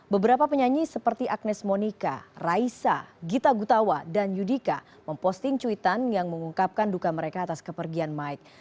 beberapa penyanyi seperti agnes monika raisa gita gutawa dan yudika memposting cuitan yang mengungkapkan duka mereka atas kepergian mike